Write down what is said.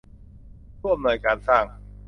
ผู้อำนวยการสร้าง